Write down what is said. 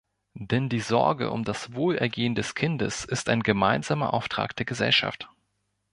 Denn die Sorge um das Wohlergehen des Kindes ist ein gemeinsamer Auftrag der Gesellschaft.